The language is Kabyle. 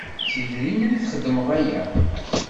S yedrimen i txeddmeḍ aya?